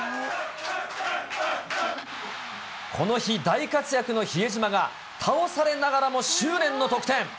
この日、大活躍の比江島が、倒されながらも執念の得点。